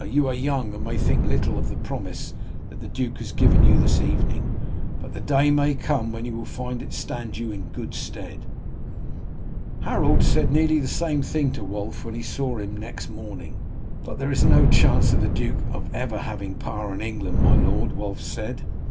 You are young, and may think but little of the promise the duke has given you this evening, but the day may come when you will find it stand you in good stead." Harold said nearly the same thing to Wulf when he saw him the next morning. "But there is no chance of the duke ever having power in England, my lord," Wulf said.